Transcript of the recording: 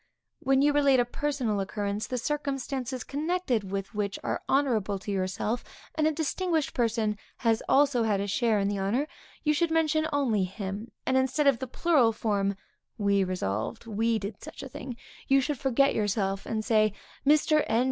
When you relate a personal occurrence, the circumstances connected with which are honorable to yourself, and a distinguished person had also a share in the honor, you should only mention him, and instead of the plural form, we resolved, we did such a thing, you should forget yourself, and say, _Mr. N.